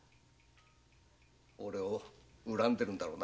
俺を恨んでるんだろうな。